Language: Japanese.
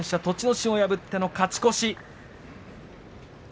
心を破っての勝ち越し。